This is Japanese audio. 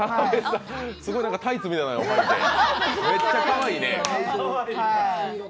すごい、タイツみたいなのはいてめっちゃかわいいですね。